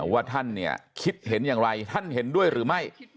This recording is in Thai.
ว่าท่านเนี่ยคิดเห็นอย่างไรท่านเห็นด้วยหรือไม่